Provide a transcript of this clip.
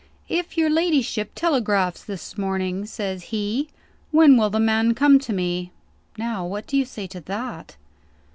'If your ladyship telegraphs this morning,' says he, 'when will the man come to me?' Now what do you say to that?"